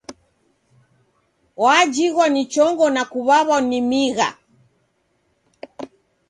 Wajighwa ni chongo na kuw'aw'a ni migha.